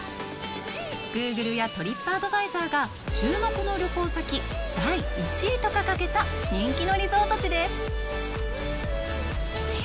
グーグルやトリップアドバイザーが注目の旅行先、第１位と掲げた人気のリゾート地です。